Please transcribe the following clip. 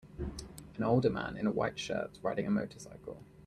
An older man in a white shirt riding a motorcycle.